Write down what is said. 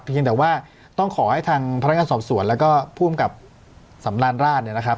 เพียงแต่ว่าต้องขอให้ทางพนักงานสอบสวนแล้วก็ผู้อำกับสำราญราชเนี่ยนะครับ